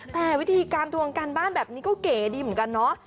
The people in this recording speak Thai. แต่วิธีการทวงการบ้านแบบนี้ก็เก๋ดีเหมือนกันเนาะ